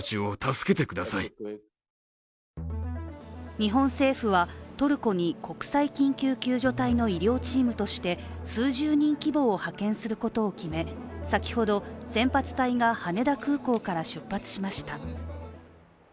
日本政府はトルコに国際緊急援助隊の医療チームとして数十人規模を派遣することを決め、先ほど、先発隊が羽田空港から出発しました。